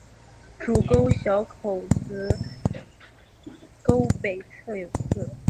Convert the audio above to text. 主沟小口子沟北侧有寺。